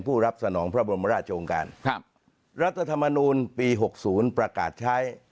ผู้รับสนองพระบรมราชองค์การครับรัฐธรรมนูลปี๖๐ประกาศใช้